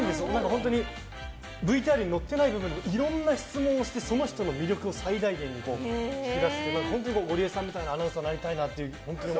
本当にＶＴＲにのってない部分もいろんな質問をしてその人の魅力を最大限に引き出すって、本当にゴリエさんみたいなアナウンサーになりたいなと。